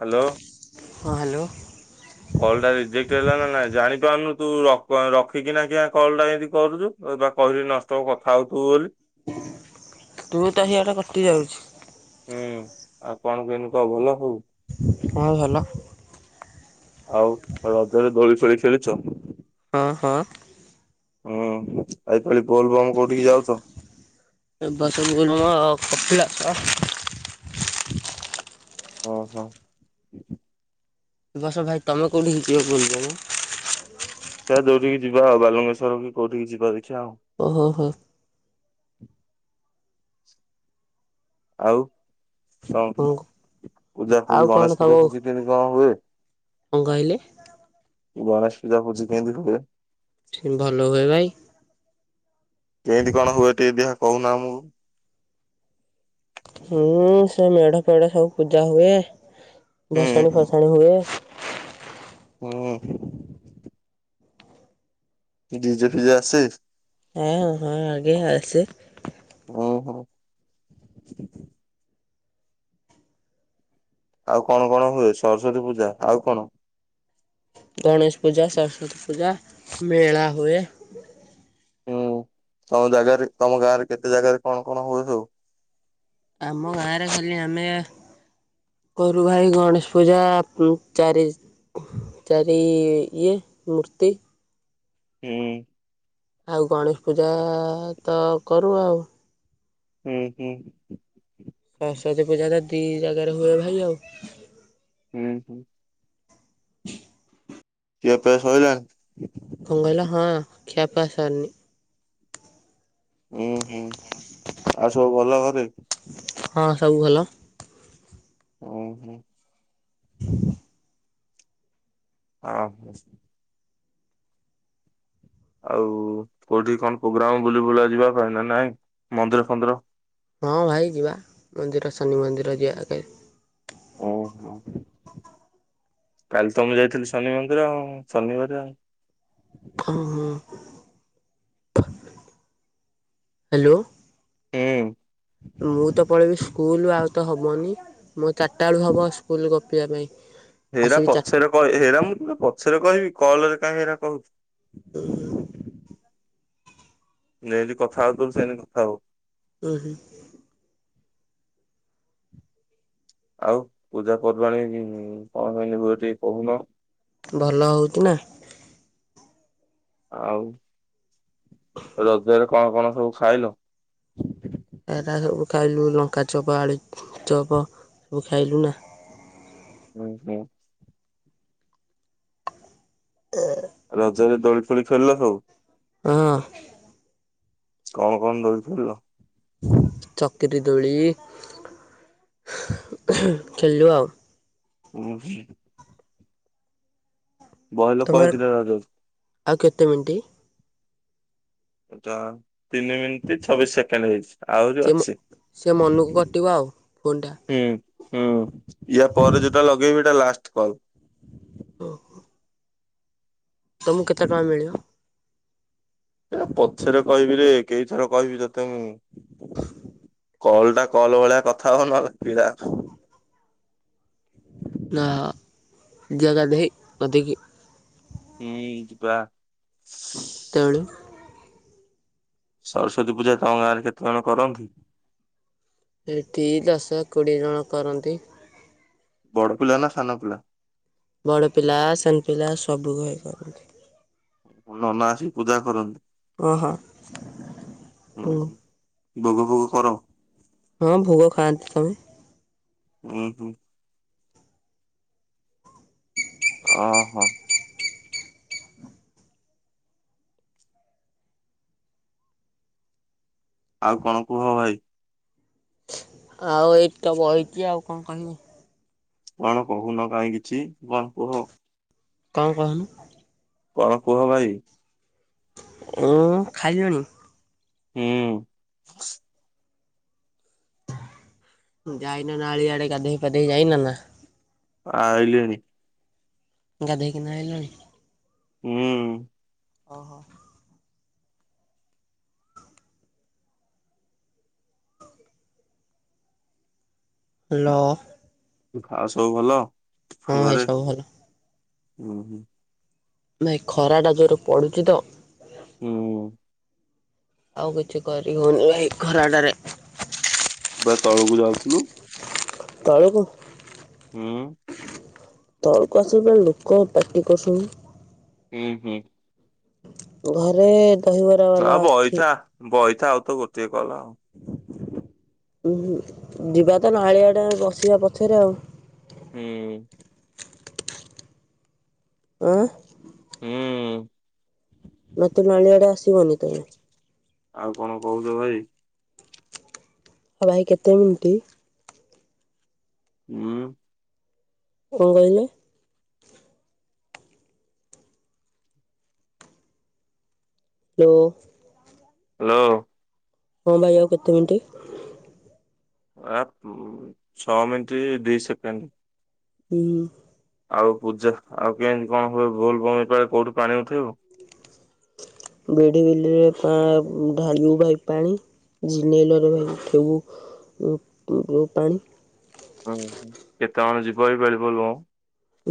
Hello. ହଁ hello. Call ଟା reject ହେଲା ନା ନାଇଁ ଜାଣିପାରୁନୁ ତୁ ରଖିକିନା କି କଲ ଟା ଏମିତି କରୁଛୁ ବା କହିଲି ନଷ୍ଟ ହବ କଥା ହଉ ତୁ ବୋଲି ତୁ ତ ହଆଡେ କଟି ଯାଉଛୁ। ହୁଁ ଆଉ କଣ କହିଲୁ କହ ଭଲ ହଉ? ହ ସଲ ଆଉ ରଜରେ ଦୋଳି ଫୋଳି ଖେଳିଛ। ହଁ ହଁ। ହୁଁ ଆ କ ବୋଲ ବମ କୋଉଠିକି ଯାଉଛ? ଏ ବାସନ ଗୁରୁୁ ଅପିଲ କ ଓହୋ। ବସ ଭାଇ ତମେ କେଉଁଠି ହେଇଯିବ ବୁଲ ମୁଁ? [inaudible] ଯୋଉଠି ଯିବା ଆ ବାଲେଶ୍ର କୋଉଠିକି ଯିବା ଦେଖି? ଓହୋ ହୋ। ଆଉ। ଶଣ ହଁ ପୂଜା ଆଉ ପୂଜି କଣ ଗଣେଶ ତମ ପୂଜା ପୂଜିି କେମି କଣ ହୁଏ? କଣ କହିଲେ ଗଣେଶ ପୂଜା ପୂଜି କିଁତି ହୁଏ? ଭଲ ହୁଏ ଭାଇ। କେଁ ତି କଣ ହୁଏ ଟିଏ ଦେହ କଉନା ଆମକୁ? ହୁଁ ସେ ମେଢ଼ ଫେଢ଼ ସବୁ ପୂଜା ହୁଏ। ଭସାଣି ହୁଁ ଫସାଣି ହୁଏ। ହୁଁ। ଡିଜେ ଫିଜେ ଆସେ? ହଁ ହଁ ଆଗେ ଆସେ। ଓ ହୋ। ଆଉ କଣ କଣ ହୁଏ ସରସ୍ଵତୀ ପୂଜା ଆଉ କଣ? ଗଣେଶ ପୂଜା, ସରସ୍ଵତୀ ପୂଜା, ମେଳା ହୁଏ। ହୁଁ ତମ ଜାଗାରେ ତମ ଗାଁରେ କେତେ ଜାଗାରେ କଣ କଣ ହୁଏ ସବୁ? ଆମ ଗାଁରେ ଖାଲି ଆମେ କରୁ ଭାଇ ଗଣେଶ ପୂଜା ଚାରି ଚାରି ଇଏ ମୂର୍ତ୍ତି। ହୁଁ। ଆଉ ଗଣେଶ ପୂଜା ଆ-ଆ -ତ କରୁ ଆଉ। ହୁଁ ହୁଁ। ସରସ୍ଵତୀ ପୂଜା ତ ଦି ଜାଗାରେ ହୁଏ ଭାଇ ଆଉ। ହୁଁ ହୁଁ। କିଆ ପିଆ ସଇଲାଣି। କଣ ଙ୍ଗଇଲ ହଁ ଖିଆପିଆ ସରିନି। ଉୁଁ ହୁଁ। ଆଉ ସବୁ ଭଲ ଗ ରେ ହଁ ସବୁ ଭଲ। ଉଁ ହୁଁ। ହ ଅଁ ହଁ। ଆଉ କୋଉଠି କଣ ପ୍ରୋଗ୍ରାମ ବୁଲି ବୁଲା ଯିବା ପାଇଁ ନା ନାଇଁ ମନ୍ଦିର ଫନ୍ଦିର? ହଁ ଭାଇ ଯିବା ମନ୍ଦିର ଶନି ମନ୍ଦିର ଯିବା କେ। ଓ ହୋ। କାଲି ତ ମୁଁ ଯାଇଥିଲି ଶନି ମନ୍ଦିର ଆଉ ଶନିବାରେ ଆଉ। ହଁ ହଁ। ହ୍ୟାଲୋ। ହୁଁ ମୁଁ ତ ପଳେଇବି ସ୍କୁଲ। ଆଉ ତ ହବନି ମତ୍ ଚାର୍ ଟାଳୁ ହବ ସ୍କୁଲ ଗ ପିଆ ପାଇଁ। ହେରା ଆସିବି ଚାର ପଛରେ କ ହେରା ମୁଁ ପୁରା ପଛରେ କହିବି କଲରେ କାହିଁ ହେରା କହୁଛି। ଉହୁଁ। ନଠି କଥା ହଉ ସେନ କଥା ହଉ। ହୁ ହୁ। ଆଉ ପୂଜା ପର୍ବାଣୀ କଣ କହିଲିବୁ ଏ ଟିକେ କହୁନ? ଭଲ ହଉଚ ନା। ଆଉ ରଗରେ। କଣ କଣ ସବୁ ଖାଇଲ? ଏଟା ସବୁ ଖାଇଲୁ ଲଙ୍କା ଚପ ଆଳୁ ଚପ ସବୁ ଖାଇଲୁ ନା। ହୁଁ ହୁଁ। ହ ହଜରେ ଦୋଳି ଫୋଳି ଖେଳିଲ ହଉ। ହଁ। କଣ କଣ ରରିଥିଲିଲ। ଚକିରିୀ ଦୋଳି ଖେଳିଲୁ ଆଉ। ହୁଁ ହୁଁ। ଲୋକ ତମର ହେଇଥିଲେ ରଜକୁ ଆଉ କେତେ ମିନଟି। ଏଟା ତିନି ମିନିଟ୍ ଛବିଶ ସେକେଣ୍ଡ ହେଇଛି। ଆହୁରି ସେ ଅଛି ସେ ମନକୁ କଟିବ ଆଉ ଫୋନ୍ ଟା। ହୁଁ ହୁଁ ୟା ପରେ ଯଉଟା ଲଗେଇବି। ଲାଷ୍ଟେ କଲ। ଓ ହୋ। ତମକୁ କେତେ ଟଙ୍କ ମିଳିବ। ପଛରେ କହିବି ରେ କେଇଥର କହିବି ତତେ ମୁଁ କଲ ଟା କଲ ଭଳିଆ କଥା ହୋ ନହଲେ [unintelligible] ନୋବୁ। ନା ଜାଗା ଦେ ମତିି ହୁଁ ବା ତଳୁ ସରସ୍ଵତୀ ପୂଜା ତ ଗାରେ କେତେ ଜଣ କରନ୍ତି? ଏଠି ଦଶ କୋଡ଼ିଏ ଜଣ କରନ୍ତି? ବଡ଼ପୁଲା ନା ଖାନପୁଲା? ବଡ ପିଲା ସୋନ ପିଲା ସବୁ ହେଇ କରନ୍ତି। ନନା ଆସି ପୂଜା କରନ୍ତି। ଓହୋ। ବୋଗ ଭୋଗ କର ହଁ ଭୋଗ ଖାଆନ୍ତି ତମେ ଉଁ ହୁଁ। ଓହୋ। ଆଉ କଣ କୁହ ଭାଇ? ଆଉ ଏଇ ତ ବହିଛି ଆଉ କଣ କହିବି? କଣ କହୁନ କାହିଁ କିଛି କଣ କୁହ? କଣ କହୁନ? କଣ କୁହ ଭାଇ? ଓ ଖାଇଲଣି ହୁଁ। ଯାଇନ ନା ନାଳିଆଡେ ଗାଧେଇ ପାାଧେଇ ଯାଇନ ନା ଆଇଲିନି ଗଧେଇ କିନା ଆଇଲଣି ହୁଁ। ଓହୋ। ଲଲୋ ଆଉ ସବୁ ଭଲ? ହଁ ଭାଇ ଘରେ? ସବୁ ଭଲ ହୁଁ ହୁଁ। ନାଇ ଖରା ଟା ଜୋର ପଡୁଛି ତ ହୁଁ। ଆଉ କିଛି କରି ହଉନି ଭାଇ ଖରାଟାରେ ତୁ ବା ତଳକୁ ଯାଉଥିଲୁ ତଳକୁ ହୁଁ। ତଳକୁ ଆସିଲ ବା ଲୋକ ପାଟି କରୁଛନ୍ତି ହୁଁ ହୁଁ। ଘରେ କହିବାର ବାଲା ଅଛି ଏ ଆଉ ତ ଗୋଟିଏ କଲ ଆଉ ଉଁ ହୁଁ ଯିବା ତ ନାଲିଆ ବସିବା ପଛରେ ଆଉ ହୁଁ ଆଁ। ହୁଁ। ନାତୁଣୀ ମାନେ ଇଆଡ଼େ ଆସିବେନି ତ କାଇଁ ଆଉ କଣ କହୁଛ ଭାଇ? ଆଉ ଭାଇ କେତେ ମିନିଟ୍? ହୁଁ। କଣ କହିଲେ? ହୁଁ। ହ୍ୟାଲୋ। ହଁ ଭାଇ ଆଉ କେତେ ମିନିଟ୍? ଆ ଉଁ ଛଅ ମିନିଟ ଦି ସେକେଣ୍ଡ ହୁଁ। ଆଉ ପୂଜା ଆଉ କେମିତି କଣ ହୁଏ ଵୋଲବମ ବେଳେ କୋଉଠୁ ପାଣି ଉଠେଇବ ବଡ଼ବିଲି ରେ ପାଁ ଭା ଭାନୁ ପାଣି ଜିନେଲ ରୁ ଉଠେଇବୁ ଉଁ ପାଣି ଉଁ ହୁଁ କେତେବେଳେ ଯିବ ଭାଇ ଵୋଲବମ?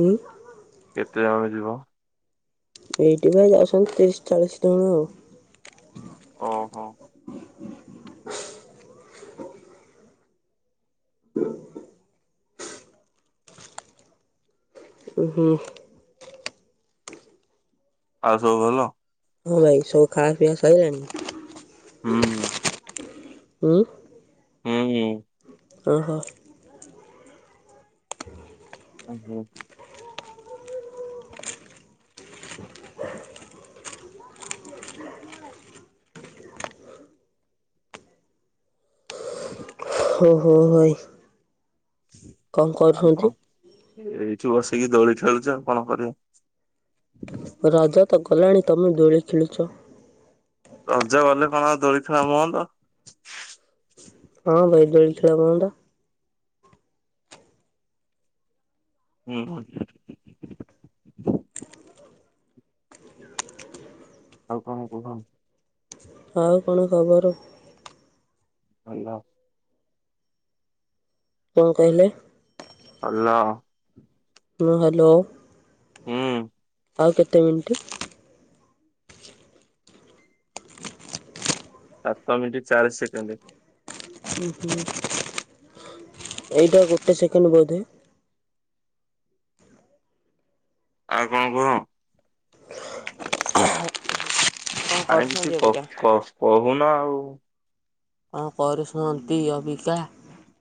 ଉଁ କେତେ ଜଣ ଯିବ? ଏଇଟି ଭାଇ ଯାଉଛନ୍ତି ତିରିଶ ଚାଳିଶ ଜଣ ଆଉ ଓହୋ। ଉଁ ହୁଁ। ଆଉ ସବୁ ଭଲ? ହଁ ଭାଇ ସବୁ ଖାଆ ପିଆ ସରିଲାଣି ହୁଁ। ଉଁ। ହୁଁ ହୁଁ। ଓ ହୋ। [inaudible] ଉଁ ହୁଁ [inaudible] ହଁ ହଁ ଭାଇ କଣ ଆଉ କରୁଛନ୍ତି? କଣ ଏଇ ଏଠି ବସିକି ଦୋଳି ଖେଳୁଛି ଆଉ କଣ କରିବି ରଜ ତ ଗଲାଣି ତମେ ଦୋଳି ଖେଳୁଛ ତ ରଜ ଗଲେ କଣ ଆଉ ଦୋଳି ଖେଳ ବନ୍ଦ ହଁ ଭାଇ ଦୋଳି ଖେଳ ବନ୍ଦ ହୁଁ [inaudible] ଆଉ କଣ କୁହ ଆଉ କଣ ଖବର ହେଲୋ କଣ କହିଲେ ଅଲ ହଁ ହ୍ୟାଲୋ ହୁଁ ଆଉ କେତେ ମିନିଟ୍? ଆଠ ମିନଟ ଚାରି ସେକେଣ୍ଡ [unintelligible] ଏଇଟା ଗୋଟିେ ସେକେଣ୍ଡଣ୍ଡ ବୋଧେ ଆଉ କଣ କୁହ? [inaudible] କଣ କାଇ କିଛି କରୁଛନ୍ତି କ ଅବିକା? କ କ କୁଣ ଆଉ କଣ କରୁନ୍ତି ଅବିକା?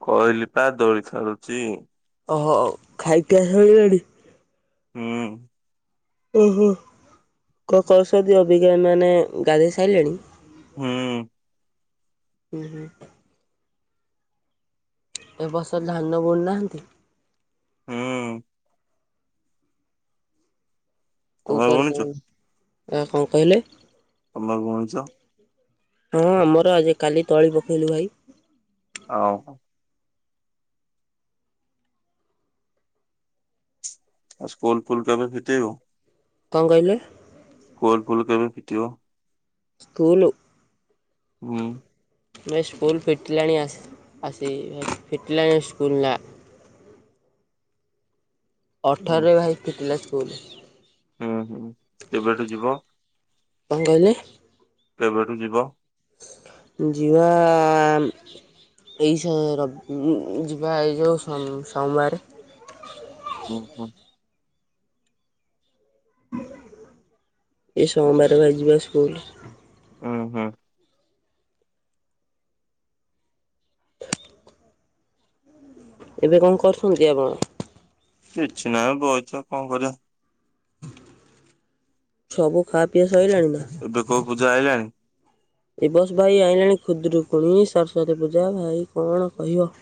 କହିଲି ପା ଦଳି ଖେଳୁଛି ଓହୋ ଖାଇକି ଆସଇିଲାଣି? ହୁଁ ଓହୋ କଣ କରୁଛନ୍ତି ଅବିକା ମାନେ ଗାଧେଇ ସାରିଲେଣି? ହୁଁ। ହୁଁ ହୁଁ। ଏ ବର୍ଷ ଧାନ ବୁଣୁ ନାହାନ୍ତି? ହୁଁ। ତମେ [unintelligible] ବୁଣୁଛ ଭାଇ କଣ କହିଲେ? ତମେ ବୁଣିଛ? ହଁ ଆମର ଆଜି କାଲି ତଳି ପକେଇଲୁ ଭାଇ। ହଉ। ଆ ସ୍କୁଲ ଫୁଲ କେବେ ଫିଟେଇବ? କଣ କହିଲେ? ସ୍କୁଲ୍ ଫୁଲ କେବେ ଫିଟିିବ? ସ୍କୁୂଲ? ହୁଁ ଏ ସ୍କୁଲ ଫିଟିଲାଣିସି ଆସି ଫିଟିଲାଣି ସ୍କୁଲ ନା ହୁଁ ଅଠରରେ ଭାଇ ଫିଟିଲା। କୁଲ ହୁଁ, ହୁଁ, କେବେଠୁ ଯିବ? କଣ କହିଲେ? କେବେଠୁ ଯିବ? ଯିବା ଏଇ ସ-ରବ ଉଁ, ଯିବା ଏଇ ଯୋଉ ସୋ ସୋମବାର ଓହୋ, ଏ ସୋମବାର ଭାଇ ଯିବା ସ୍କୁଲ୍। ଅଁ, ହଁ। ଏବେ କଣ କରୁଛନ୍ତି ଆପଣ? କିଛି ନାହିଁ ବଇଚୁ ଆଉ କଣ କରିବା। ସବୁ ଖା ପିଆ ସଇଲାଣି ନା ଏବେ କୋଉ ପୂଜା ଆଇଲାଣି? ଏ ବସ ଭାଇ ଆଇଲାଣି ଖୁଦ୍ରରୁକୁଣି, ସରସ୍ଵତୀ ପୂଜା ଭାଇ କଣ କହିବ।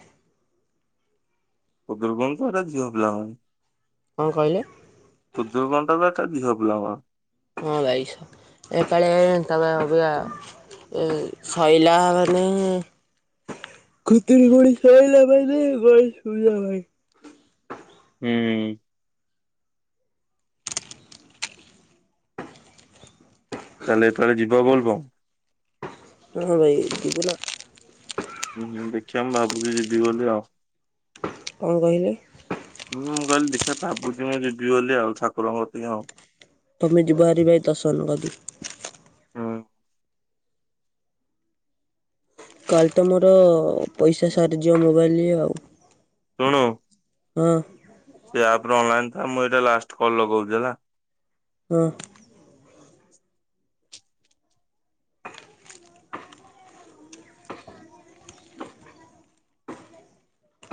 ଖୁଦୁରୁକୁଣୀ ତ ସେଟା ଝିଅ ପିଲାଙ୍କ ପାଇଁ। କଣ କହିଲେ? ଖୁଦୁରୁକୁଣୀ ଟା ତ ହେ ଝିଅ ପିଲାଙ୍କ ହଁ ବାଇଶ ଏ କଳିଆ ବାଇ ତା ମା ଅବିକା ଏ ସଇଲା ମାନେ ଖୁତୁରୁକୁଣୀ ସଇଲା ମାନେ ଗଣେଶ ପୂଜା ଭାଇ ଉଁ, ତାହେଲେ ଏଥର ଯିବା ବଲବମ? ହଁ ଭାଇ ଯିବୁନା। ଉଁ, ହୁଁ ଦେଖିଆ ମୁଁ ଭାବୁଚି ଯିବି ବୋଲି ଆଉ। କଣ କହିଲେ? ମୁୁଁ କହିଲି ଦେଖିଆ ଭାବୁଚି ମୁଁ ଯିବି ବୋଲି ଆଉ ଠାକୁରଙ୍କ କତିକି ଆଉ। ତୋମେ ଯିବ ଭାରି ଭାଇ ଦର୍ଶନ ଗଦି ହୁଁ କାଲି ତ ମୋର ପଇସା ସାରିଯିବ ମୋବାଇଲ୍ ଇଏ ଆଉ। ଶୁଣୁ। ହଁ। ତୁ ଏଇ ଆପ୍ ରେ ଅନଲାଇନ୍ ମୁଁ ଏଇଟା ଲାଷ୍ଟ କଲ୍ ଲଗଉଚି ହେଲା। ହଁ।